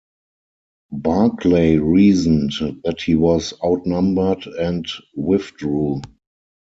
Barclay reasoned that he was outnumbered and withdrew.